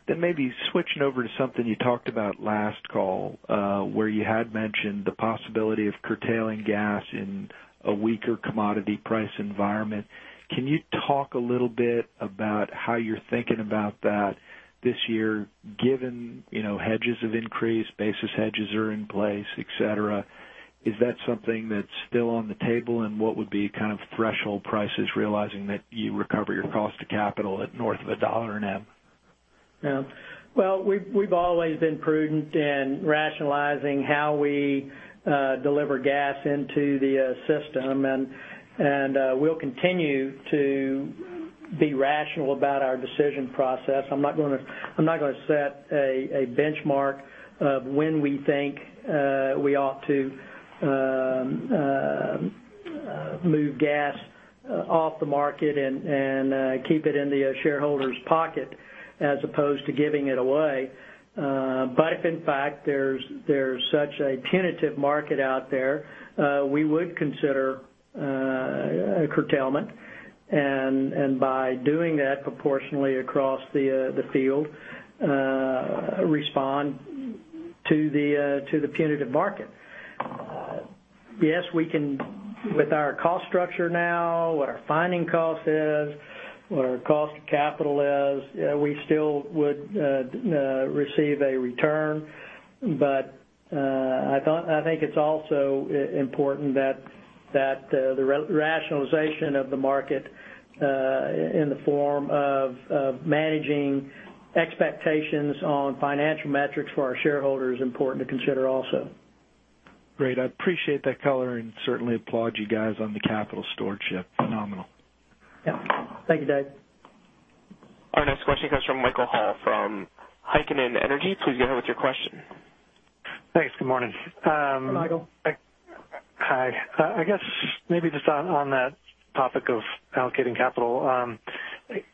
Maybe switching over to something you talked about last call, where you had mentioned the possibility of curtailing gas in a weaker commodity price environment. Can you talk a little bit about how you're thinking about that this year, given hedges have increased, basis hedges are in place, et cetera? Is that something that's still on the table, and what would be threshold prices, realizing that you recover your cost of capital at north of a dollar and a half? We've always been prudent in rationalizing how we deliver gas into the system, and we'll continue to be rational about our decision process. I'm not going to set a benchmark of when we think we ought to move gas off the market and keep it in the shareholder's pocket as opposed to giving it away. If, in fact, there's such a punitive market out there, we would consider a curtailment, and by doing that proportionally across the field, respond to the punitive market. Yes, with our cost structure now, what our finding cost is, what our cost of capital is, we still would receive a return. I think it's also important that the rationalization of the market in the form of managing expectations on financial metrics for our shareholder is important to consider also. Great. I appreciate that coloring, certainly applaud you guys on the capital stewardship. Phenomenal. Yeah. Thank you, Dave. Our next question comes from Michael Hall from Heikkinen Energy. Please go ahead with your question. Thanks. Good morning. Hi, Michael. Hi. I guess maybe just on that topic of allocating capital,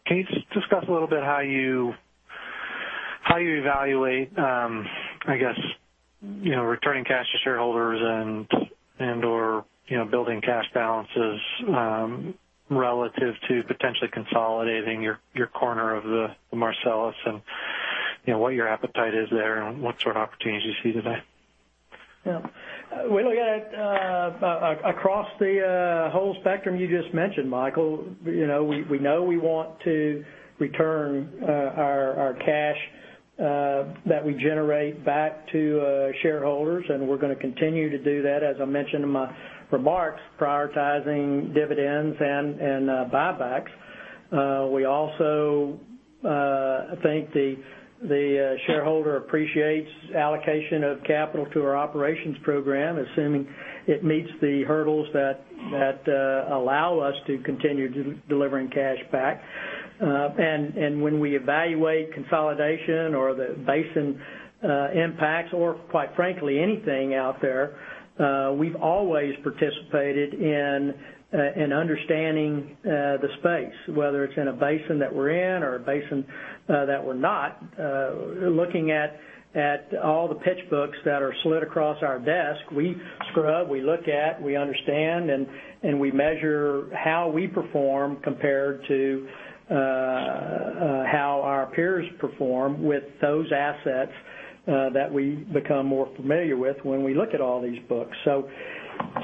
can you just discuss a little bit how you evaluate, I guess, returning cash to shareholders and/or building cash balances relative to potentially consolidating your corner of the Marcellus, and what your appetite is there, and what sort of opportunities you see today? Yeah. We look at it across the whole spectrum you just mentioned, Michael. We know we want to return our cash that we generate back to shareholders, and we're going to continue to do that, as I mentioned in my remarks, prioritizing dividends and buybacks. We also think the shareholder appreciates allocation of capital to our operations program, assuming it meets the hurdles that allow us to continue delivering cash back. When we evaluate consolidation or the basin impacts or, quite frankly, anything out there, we've always participated in understanding the space, whether it's in a basin that we're in or a basin that we're not. Looking at all the pitch books that are slid across our desk, we scrub, we look at, we understand, and we measure how we perform compared to how our peers perform with those assets that we become more familiar with when we look at all these books.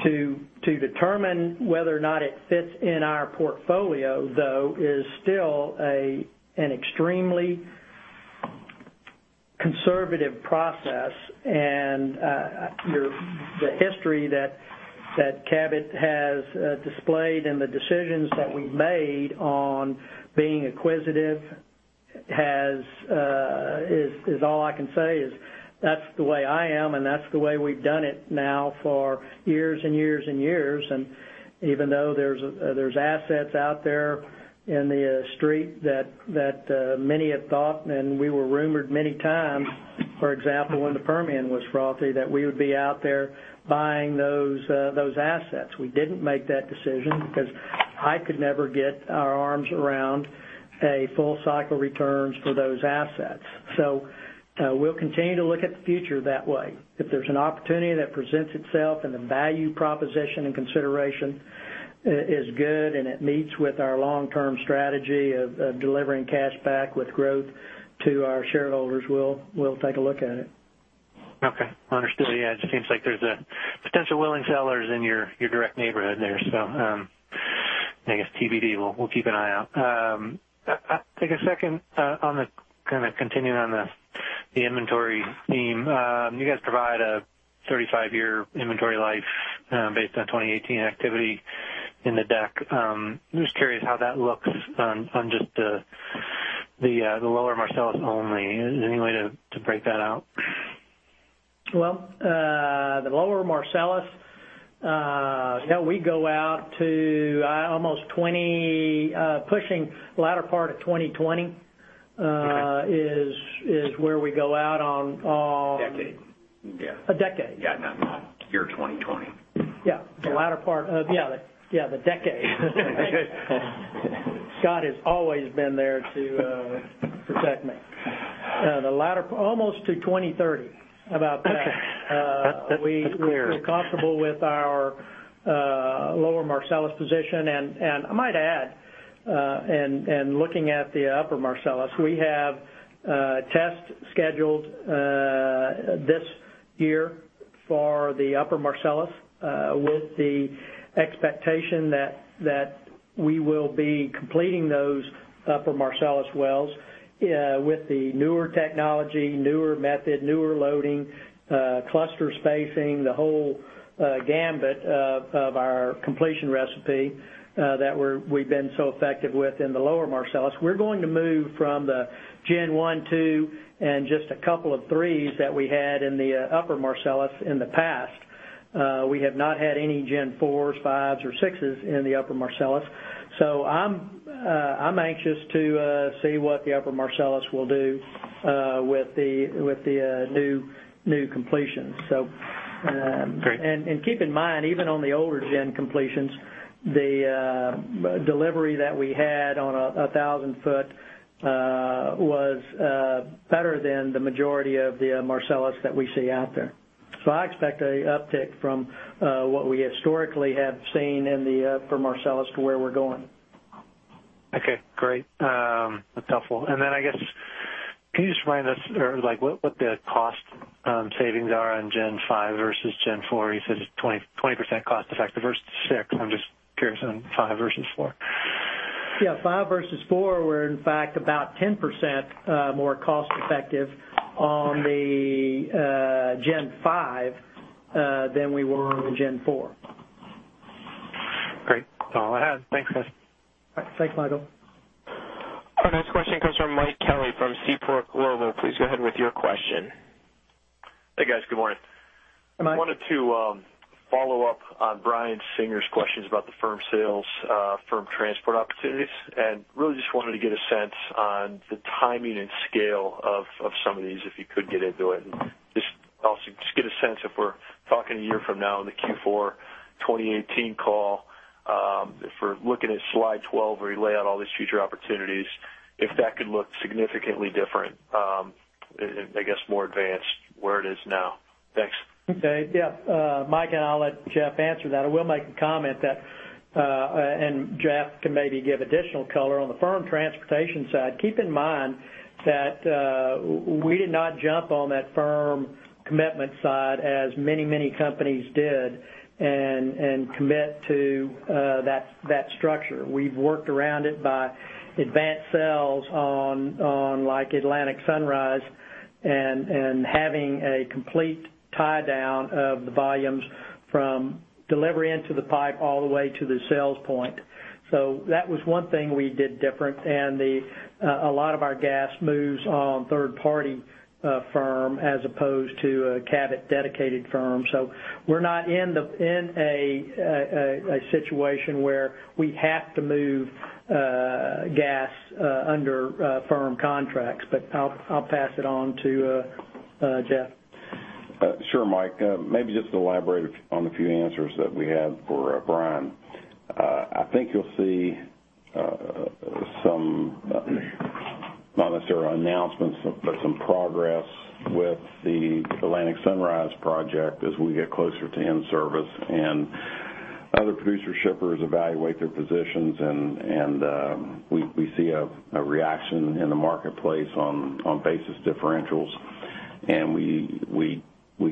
To determine whether or not it fits in our portfolio, though, is still an extremely conservative process. The history that Cabot has displayed and the decisions that we've made on being acquisitive is all I can say is that's the way I am, and that's the way we've done it now for years and years. Even though there's assets out there in the street that many have thought, and we were rumored many times, for example, when the Permian was frothy, that we would be out there buying those assets. We didn't make that decision because I could never get our arms around a full cycle returns for those assets. We'll continue to look at the future that way. If there's an opportunity that presents itself, and the value proposition and consideration is good, and it meets with our long-term strategy of delivering cash back with growth to our shareholders, we'll take a look at it. Okay. Understood. Yeah, it just seems like there's potential willing sellers in your direct neighborhood there. I guess TBD. We'll keep an eye out. Take a second on the kind of continuing on the inventory theme. You guys provide a 35-year inventory life based on 2018 activity in the deck. I'm just curious how that looks on just the lower Marcellus only. Is there any way to break that out? Well, the lower Marcellus, we go out to almost 20, pushing latter part of 2020- Okay is where we go out on- Decade. Yeah. A decade. Yeah, not month. Year 2020. Yeah. The latter, yeah, the decade. Scott has always been there to protect me. The latter, almost to 2030, about that. Okay. That's clear. We're comfortable with our lower Marcellus position, I might add, and looking at the upper Marcellus, we have tests scheduled this year for the upper Marcellus, with the expectation that we will be completing those upper Marcellus wells with the newer technology, newer method, newer loading, cluster spacing, the whole gambit of our completion recipe that we've been so effective with in the lower Marcellus. We're going to move from the Gen 1, 2, and just a couple of 3s that we had in the upper Marcellus in the past. We have not had any Gen 4s, 5s, or 6s in the upper Marcellus. I'm anxious to see what the upper Marcellus will do with the new completion, so. Great. Keep in mind, even on the older Gen completions, the delivery that we had on a 1,000-foot was better than the majority of the Marcellus that we see out there. I expect an uptick from what we historically have seen in the upper Marcellus to where we're going. Okay, great. That's helpful. I guess, can you just remind us what the cost savings are on Gen 5 versus Gen 4? You said it's 20% cost effective versus 6. I'm just curious on 5 versus 4. 5 versus 4, we're in fact about 10% more cost effective on the Gen 5 than we were on the Gen 4. Great. That's all I had. Thanks, guys. All right. Thanks, Michael. Our next question comes from Mike Kelly from Seaport Global. Please go ahead with your question. Hey, guys. Good morning. Hi, Mike. I wanted to follow up on Brian Singer's questions about the firm sales, firm transport opportunities, and really just wanted to get a sense on the timing and scale of some of these, if you could get into it. Talking a year from now in the Q4 2018 call, if we're looking at slide 12, where you lay out all these future opportunities, if that could look significantly different, I guess more advanced where it is now? Thanks. Okay. Yeah. Mike and I'll let Jeff answer that. I will make a comment that, Jeff can maybe give additional color on the firm transportation side. Keep in mind that we did not jump on that firm commitment side as many companies did and commit to that structure. We've worked around it by advanced sales on Atlantic Sunrise and having a complete tie-down of the volumes from delivery into the pipe all the way to the sales point. That was one thing we did different. A lot of our gas moves on third-party firm as opposed to a Cabot dedicated firm. We're not in a situation where we have to move gas under firm contracts. I'll pass it on to Jeff. Sure. Mike, maybe just to elaborate on the few answers that we had for Brian. I think you'll see some, not necessarily announcements, but some progress with the Atlantic Sunrise project as we get closer to in-service and other producer shippers evaluate their positions and we see a reaction in the marketplace on basis differentials and we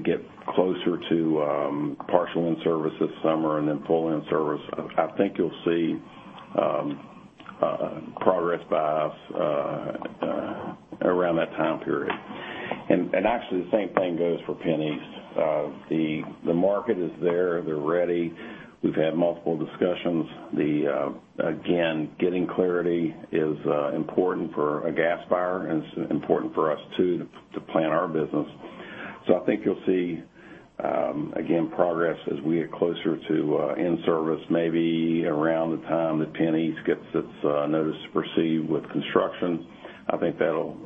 get closer to partial in-service this summer and then full in-service. I think you'll see progress by us around that time period. Actually, the same thing goes for PennEast. The market is there. They're ready. We've had multiple discussions. Again, getting clarity is important for a gas buyer, and it's important for us, too, to plan our business. I think you'll see progress as we get closer to in-service, maybe around the time that PennEast gets its notice to proceed with construction. I think that'll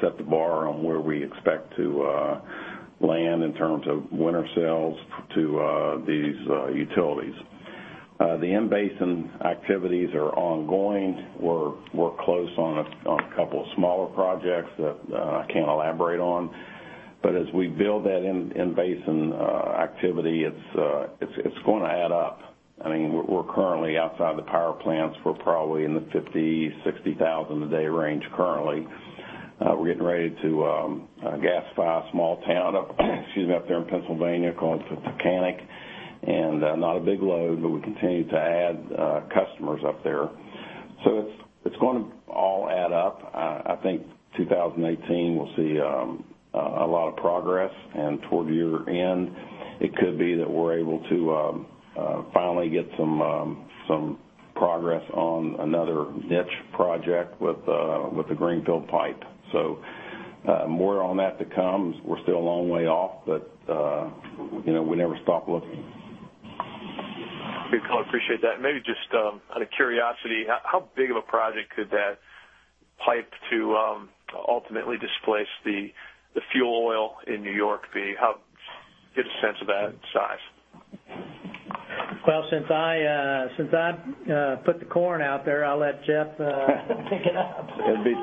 set the bar on where we expect to land in terms of winter sales to these utilities. The in-basin activities are ongoing. We're close on a couple of smaller projects that I can't elaborate on. As we build that in-basin activity, it's going to add up. We're currently outside the power plants. We're probably in the 50,000, 60,000 a day range currently. We're getting ready to gasify a small town up there in Pennsylvania called Pocono. Not a big load, but we continue to add customers up there. It's going to all add up. I think 2018 will see a lot of progress, and toward year end, it could be that we're able to finally get some progress on another niche project with the Greenfield pipe. More on that to come. We're still a long way off, we never stop looking. Good call. Appreciate that. Maybe just out of curiosity, how big of a project could that pipe to ultimately displace the fuel oil in New York be? Get a sense of that size. Well, since I put the corn out there, I'll let Jeff pick it up. It'd be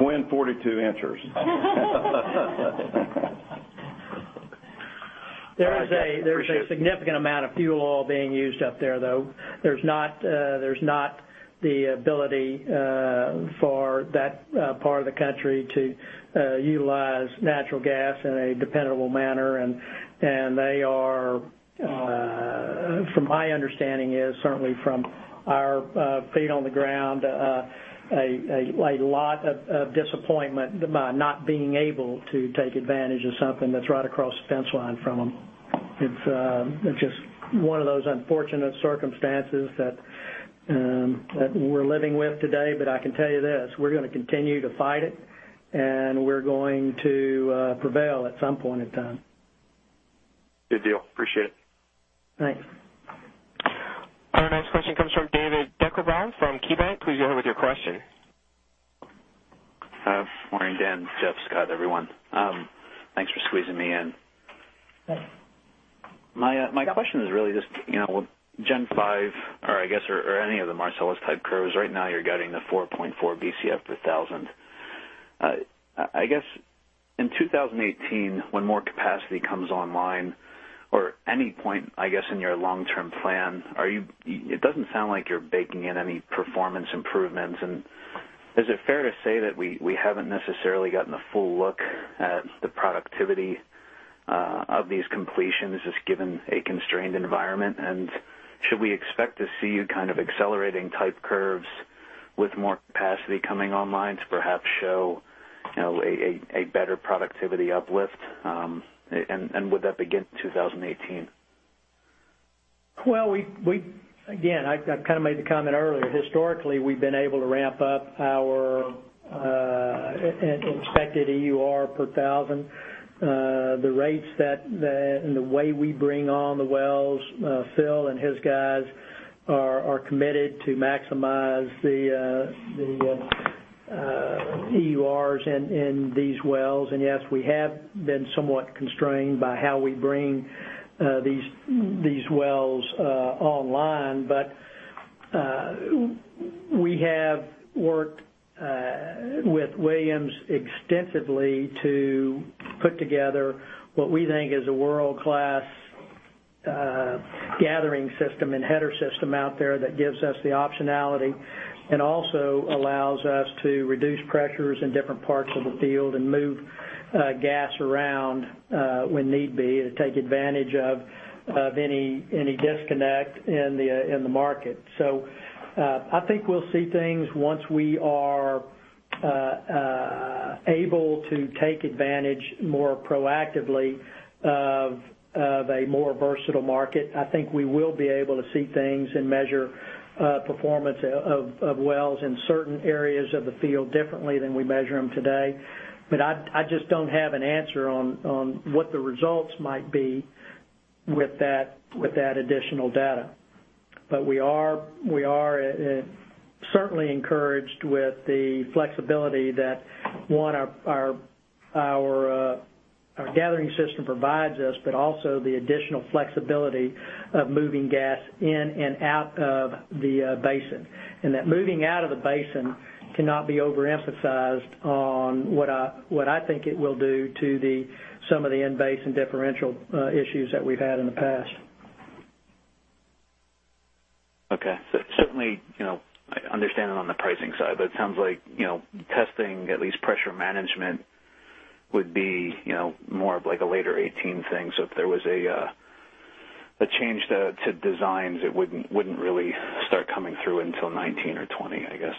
twin 42 inchers. All right, Jeff. Appreciate it. There's a significant amount of fuel oil being used up there, though. There's not the ability for that part of the country to utilize natural gas in a dependable manner. They are, from my understanding is certainly from our feet on the ground, a lot of disappointment by not being able to take advantage of something that's right across the fence line from them. It's just one of those unfortunate circumstances that we're living with today. I can tell you this, we're going to continue to fight it, and we're going to prevail at some point in time. Good deal. Appreciate it. Thanks. Our next question comes from David Deckelbaum from KeyBanc. Please go ahead with your question. Morning, Dan, Jeff, Scott, everyone. Thanks for squeezing me in. Yeah. My question is really just Gen 5 or any of the Marcellus type curves right now you're getting the 4.4 Bcf per thousand. I guess in 2018, when more capacity comes online or any point, I guess, in your long-term plan, it doesn't sound like you're baking in any performance improvements. Is it fair to say that we haven't necessarily gotten a full look at the productivity of these completions just given a constrained environment? Should we expect to see kind of accelerating type curves with more capacity coming online to perhaps show a better productivity uplift? Would that begin 2018? Well, again, I kind of made the comment earlier. Historically, we've been able to ramp up our expected EUR per thousand. The rates and the way we bring on the wells, Phil and his guys are committed to maximize the EURs in these wells. Yes, we have been somewhat constrained by how we bring these wells online. We have worked with Williams extensively to put together what we think is a world-class gathering system and header system out there that gives us the optionality, and also allows us to reduce pressures in different parts of the field, and move gas around when need be to take advantage of any disconnect in the market. I think we'll see things once we are able to take advantage more proactively of a more versatile market. I think we will be able to see things and measure performance of wells in certain areas of the field differently than we measure them today. I just don't have an answer on what the results might be with that additional data. We are certainly encouraged with the flexibility that one, our gathering system provides us, but also the additional flexibility of moving gas in and out of the basin. That moving out of the basin cannot be overemphasized on what I think it will do to some of the in-basin differential issues that we've had in the past. Okay. Certainly, I understand it on the pricing side. It sounds like testing at least pressure management would be more of a later 2018 thing. If there was a change to designs, it wouldn't really start coming through until 2019 or 2020, I guess.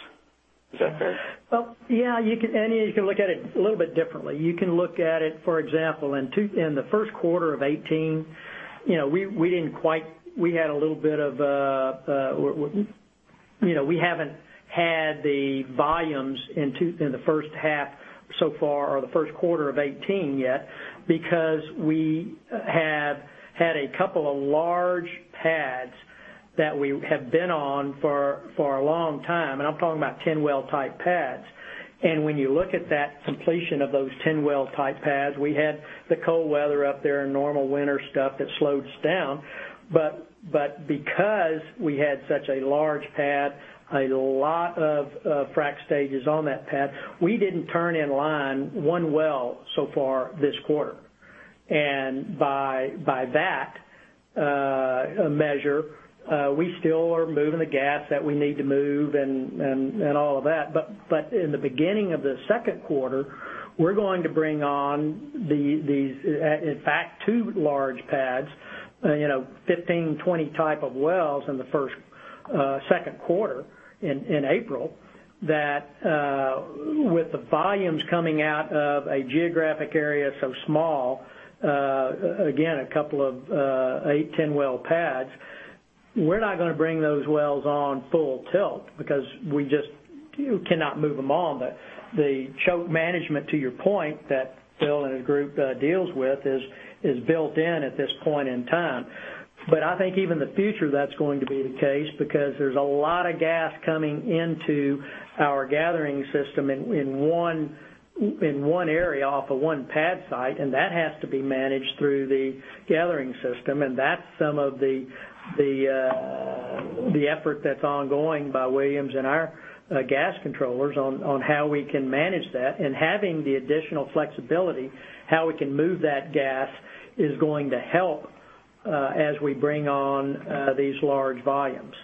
Is that fair? Well, yeah. You can look at it a little bit differently. You can look at it, for example, in the first quarter of 2018, we haven't had the volumes in the first half so far, or the first quarter of 2018 yet, because we have had a couple of large pads that we have been on for a long time, and I'm talking about 10-well type pads. When you look at that completion of those 10-well type pads, we had the cold weather up there and normal winter stuff that slowed us down. Because we had such a large pad, a lot of frac stages on that pad, we didn't turn in line one well so far this quarter. By that measure, we still are moving the gas that we need to move and all of that. In the beginning of the second quarter, we're going to bring on these, in fact, two large pads, 15, 20 type of wells in the second quarter in April, that with the volumes coming out of a geographic area so small, again, a couple of 8, 10-well pads, we're not going to bring those wells on full tilt because you cannot move them all. The choke management, to your point, that Phil and his group deals with is built in at this point in time. I think even the future, that's going to be the case because there's a lot of gas coming into our gathering system in one area off of one pad site, and that has to be managed through the gathering system. That's some of the effort that's ongoing by Williams and our gas controllers on how we can manage that. Having the additional flexibility, how we can move that gas is going to help as we bring on these large volumes.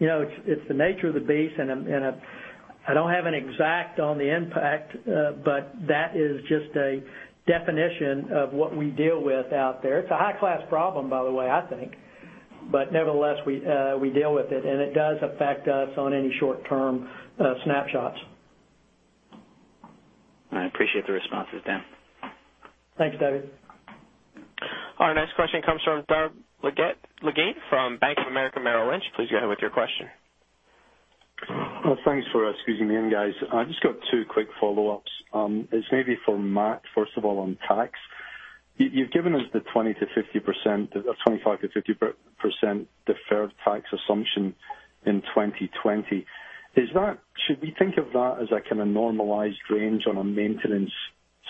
It's the nature of the beast, and I don't have an exact on the impact, but that is just a definition of what we deal with out there. It's a high-class problem, by the way, I think. Nevertheless, we deal with it, and it does affect us on any short-term snapshots. I appreciate the responses, Dan. Thanks, David. Our next question comes from Doug Leggate from Bank of America Merrill Lynch. Please go ahead with your question. Thanks for squeezing me in, guys. I've just got two quick follow-ups. It's maybe for Matt, first of all, on tax. You've given us the 25%-50% deferred tax assumption in 2020. Should we think of that as a kind of normalized range on a maintenance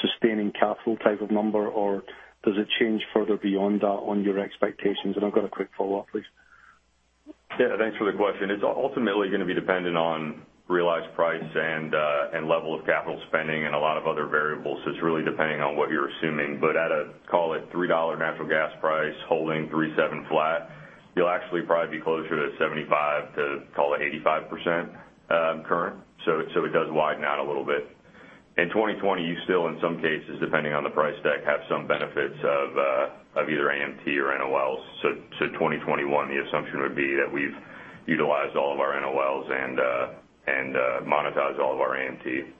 sustaining capital type of number, or does it change further beyond that on your expectations? I've got a quick follow-up, please. Yeah, thanks for the question. It's ultimately going to be dependent on realized price and level of capital spending and a lot of other variables. It's really depending on what you're assuming. At a, call it $3 natural gas price, holding three seven flat, you'll actually probably be closer to 75%-85% current. It does widen out a little bit. In 2020, you still, in some cases, depending on the price deck, have some benefits of either AMT or NOLs. 2021, the assumption would be that we've utilized all of our NOLs and monetized all of our AMT.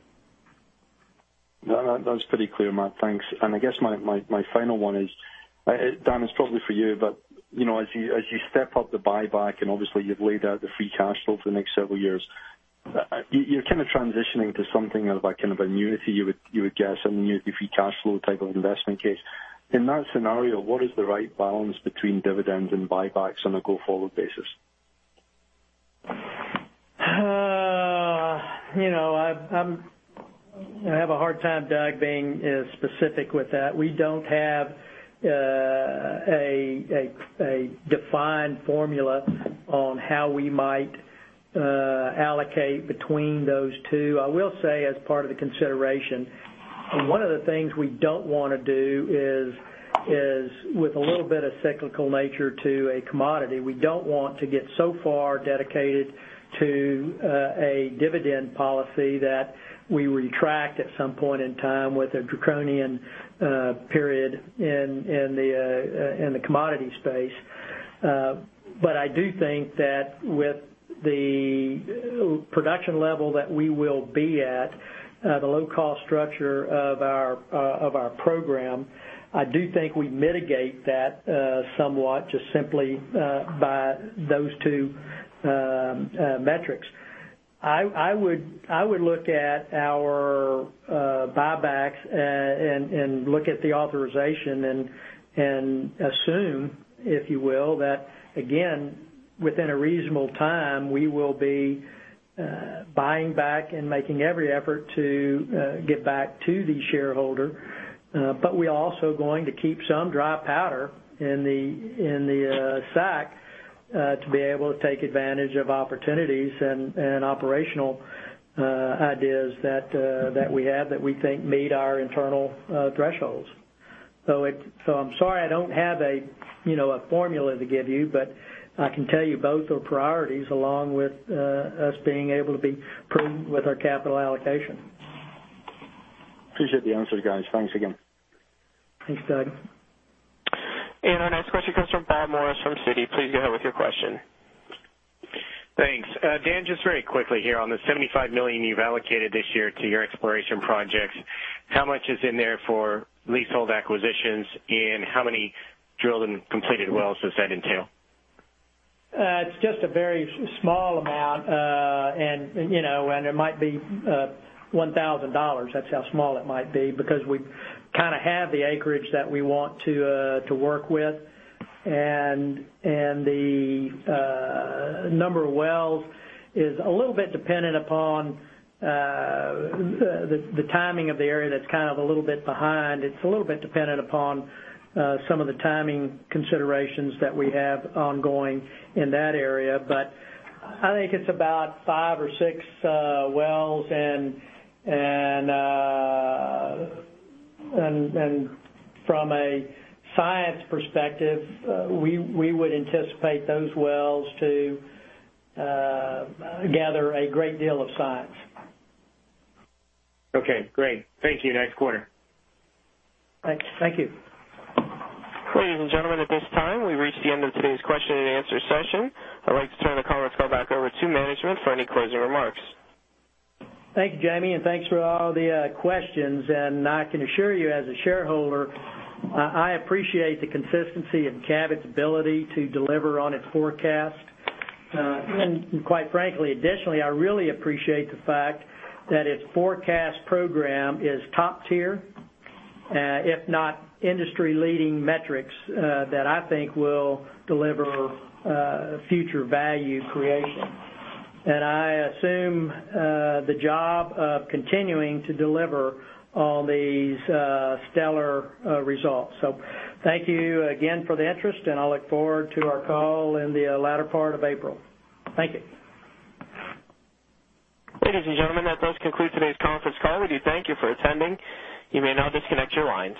No, that's pretty clear, Matt. Thanks. I guess my final one is, Dan, it's probably for you, as you step up the buyback, obviously you've laid out the free cash flow for the next several years, you're kind of transitioning to something of a kind of annuity, you would guess, an annuity free cash flow type of investment case. In that scenario, what is the right balance between dividends and buybacks on a go-forward basis? I have a hard time, Doug, being specific with that. We don't have a defined formula on how we might allocate between those two. I will say, as part of the consideration, one of the things we don't want to do is, with a little bit of cyclical nature to a commodity, we don't want to get so far dedicated to a dividend policy that we retract at some point in time with a draconian period in the commodity space. I do think that with the production level that we will be at, the low-cost structure of our program, I do think we mitigate that somewhat just simply by those two metrics. I would look at our buybacks and look at the authorization and assume, if you will, that again, within a reasonable time, we will be buying back and making every effort to give back to the shareholder. We are also going to keep some dry powder in the sack to be able to take advantage of opportunities and operational ideas that we have that we think meet our internal thresholds. I'm sorry I don't have a formula to give you, I can tell you both are priorities, along with us being able to be prudent with our capital allocation. Appreciate the answers, guys. Thanks again. Thanks, Doug. Our next question comes from Bob Morris from Citi. Please go ahead with your question. Thanks. Dan, just very quickly here, on the $75 million you've allocated this year to your exploration projects, how much is in there for leasehold acquisitions, and how many drilled and completed wells does that entail? It's just a very small amount, and it might be $1,000. That's how small it might be, because we kind of have the acreage that we want to work with. The number of wells is a little bit dependent upon the timing of the area that's kind of a little bit behind. It's a little bit dependent upon some of the timing considerations that we have ongoing in that area. I think it's about five or six wells, and from a science perspective, we would anticipate those wells to gather a great deal of science. Okay, great. Thank you. Next quarter. Thanks. Thank you. Ladies and gentlemen, at this time, we've reached the end of today's question-and-answer session. I'd like to turn the conference call back over to management for any closing remarks. Thank you, Jamie, and thanks for all the questions. I can assure you, as a shareholder, I appreciate the consistency of Cabot's ability to deliver on its forecast. Quite frankly, additionally, I really appreciate the fact that its forecast program is top tier, if not industry-leading metrics that I think will deliver future value creation. I assume the job of continuing to deliver on these stellar results. Thank you again for the interest, and I'll look forward to our call in the latter part of April. Thank you. Ladies and gentlemen, that does conclude today's conference call. We do thank you for attending. You may now disconnect your lines.